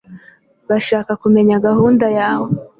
Bashaka kumenya gahunda yawe.